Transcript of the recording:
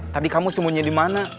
tadi kamu sembunyi dimana